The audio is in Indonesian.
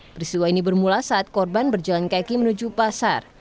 peristiwa ini bermula saat korban berjalan kaki menuju pasar